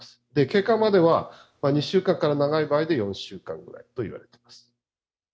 経過までは２週間から長い場合で４週間ぐらいといわれています。